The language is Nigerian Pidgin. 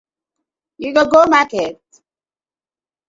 You go go market?